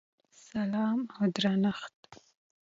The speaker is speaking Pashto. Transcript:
سلام او درنښت!!!